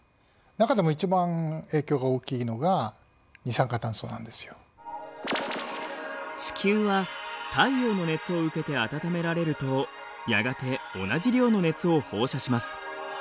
酸素とかが大部分なんですけども地球は太陽の熱を受けて温められるとやがて同じ量の熱を放射します。